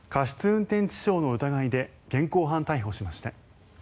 運転致傷の疑いで現行犯逮捕しました。